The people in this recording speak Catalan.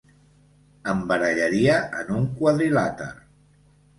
Em barallaria en un quadrilàter.